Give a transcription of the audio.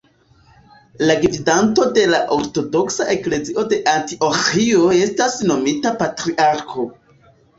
La gvidanto de la ortodoksa eklezio de Antioĥio estas nomita patriarko.